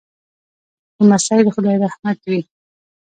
لمسی د خدای رحمت وي.